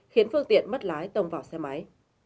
khiến phương tiện mất lái tông vào xe máy